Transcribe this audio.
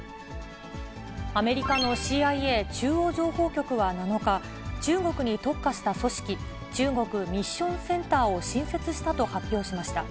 アメリカのＣＩＡ・中央情報局は７日、中国に特化した組織、中国ミッションセンターを新設したと発表しました。